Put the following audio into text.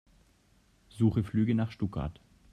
Suche Flüge nach Stuttgart.